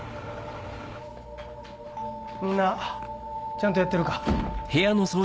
みんなちゃんとやってるか？